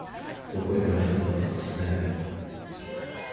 どこへ電話してるんだろうかとかですね。